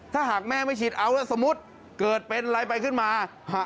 ถ้าหากแม่ไม่ฉีดเอาแล้วสมมุติเกิดเป็นอะไรไปขึ้นมา